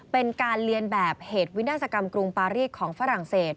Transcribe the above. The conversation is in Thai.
เป็นการเรียนแบบเหตุวินาศกรรมกรุงปารีสของฝรั่งเศส